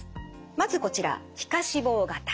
まずこちら皮下脂肪型。